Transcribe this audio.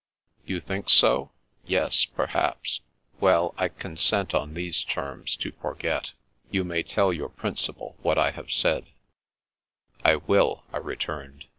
"You think so? Yes — ^perhaps. Well, I con sent on these terms to forget. You may tell your principal what I h^v^ said»" An American Custom 257 " I will," I returned.